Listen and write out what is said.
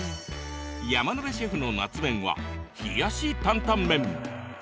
山野辺シェフの夏麺は冷やしタンタン麺。